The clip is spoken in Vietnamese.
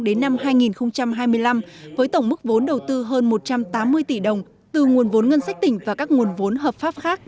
đến năm hai nghìn hai mươi năm với tổng mức vốn đầu tư hơn một trăm tám mươi tỷ đồng từ nguồn vốn ngân sách tỉnh và các nguồn vốn hợp pháp khác